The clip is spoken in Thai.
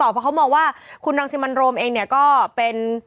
เพราะเขามองว่าคุณรังสิมันโรมเองเนี่ยก็เป็น